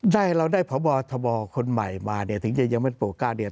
ได้เราได้พบทบคนใหม่มาเนี่ยถึงยังไม่โปรการเนี่ย